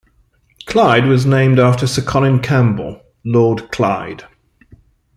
Clyde was named after Sir Colin Campbell, Lord Clyde.